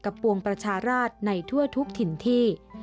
ปวงประชาราชในทั่วทุกถิ่นที่